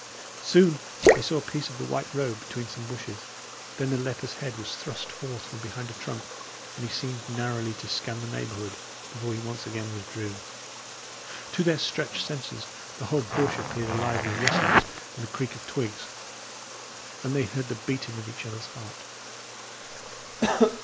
Soon they saw a piece of the white robe between some bushes; then the leper's head was thrust forth from behind a trunk, and he seemed narrowly to scan the neighbourhood before he once again withdrew. To their stretched senses, the whole bush appeared alive with rustlings and the creak of twigs; and they heard the beating of each other's heart.